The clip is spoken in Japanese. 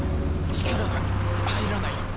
力が入らない。